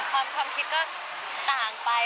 ความคิดก็ต่างไป